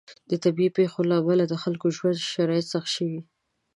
د طبیعي پیښو له امله د خلکو د ژوند شرایط سخت شوي.